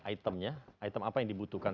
itemnya item apa yang dibutuhkan